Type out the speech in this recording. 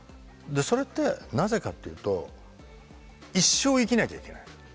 それってなぜかっていうと一生を生きなきゃいけないのよ